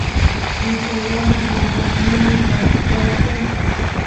tuta yana mana atini marchayta